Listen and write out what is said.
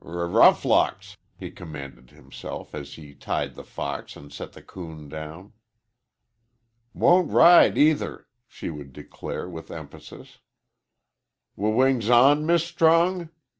"Rur roughlocks!" he commanded himself, as he tied the fox and set the coon down. "Won't ride either," she would declare, with emphasis. "W wings on, Mis' Strong?"